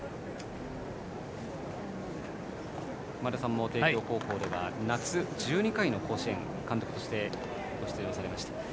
前田さんも帝京高校では夏に１２回の甲子園監督として出場されました。